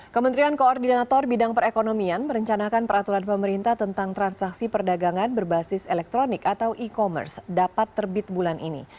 kementerian koordinator bidang perekonomian merencanakan peraturan pemerintah tentang transaksi perdagangan berbasis elektronik atau e commerce dapat terbit bulan ini